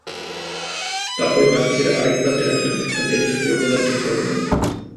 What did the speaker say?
তারপর বাক্সের আরেক প্রান্তে রাখলেন একটা তেজস্ক্রিয় পদার্থের পরমাণু।